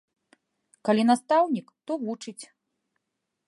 Калі настаўнік, то вучыць.